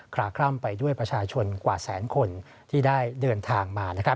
ลาคล่ำไปด้วยประชาชนกว่าแสนคนที่ได้เดินทางมา